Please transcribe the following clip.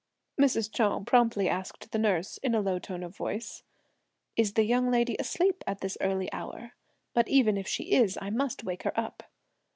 Mrs. Chou promptly asked the nurse in a low tone of voice: "Is the young lady asleep at this early hour? But if even she is I must wake her up."